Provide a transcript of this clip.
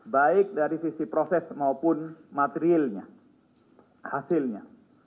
baik dari sisi proses maupun materialnya hasilnya